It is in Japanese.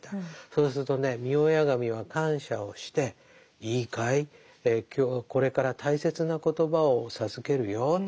そうするとね御祖神は感謝をして「いいかい今日はこれから大切な言葉を授けるよ。